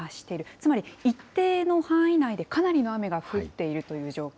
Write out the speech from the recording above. つまり、一定の範囲内でかなりの雨が降っているという状況。